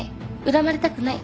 恨まれたくない。